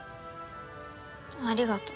ありがと。